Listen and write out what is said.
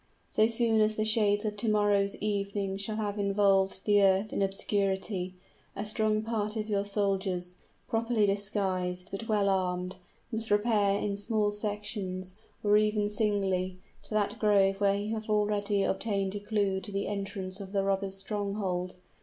So soon as the shades of to morrow's evening shall have involved the earth in obscurity, a strong party of your soldiers, properly disguised, but well armed, must repair in small sections, or even singly, to that grove where you have already obtained a clew to the entrance of the robbers' stronghold.